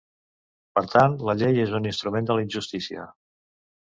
Per tant, la llei és un instrument de la injustícia.